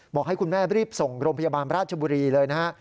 ให้คุณแม่รีบส่งโรงพยาบาลราชบุรีเลยนะฮะ